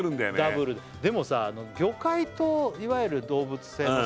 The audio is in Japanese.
ダブルででもさ魚介といわゆる動物性のさ